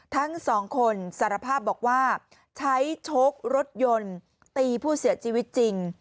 ทั้งสองคนสารภาพบอกว่าใช้โชครถยนต์ตีผู้เสียชีวิตจริง